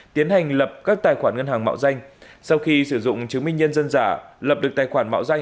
tiến hành lập các tài khoản ngân hàng mạo danh sau khi sử dụng chứng minh nhân dân giả lập được tài khoản mạo danh